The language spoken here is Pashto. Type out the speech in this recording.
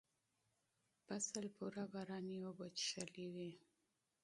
فصل پوره باراني اوبه څښلې وې.